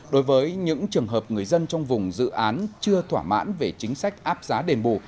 đối với những trường hợp người dân trong vùng dự án chưa thỏa mãn về chính sách áp giá đền bù